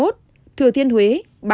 thừa thiên huế ba mươi một